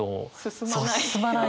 進まない。